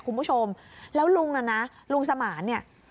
คุณผู้ชมแล้วลุงน่ะนะลุงสมานเนี่ย